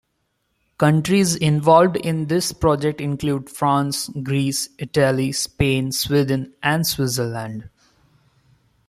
Countries involved in this project include France, Greece, Italy, Spain, Sweden and Switzerland.